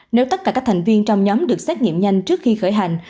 nếu tất cả các thành viên trong nhóm được xét nghiệm nhanh trước khi khởi hành